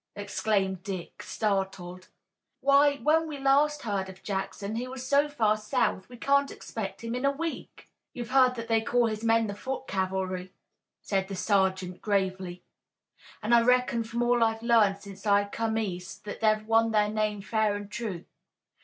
exclaimed Dick, startled. "Why, when we last heard of Jackson he was so far south we can't expect him in a week!" "You've heard that they call his men the foot cavalry," said the sergeant gravely, "an' I reckon from all I've learned since I come east that they've won the name fair an' true.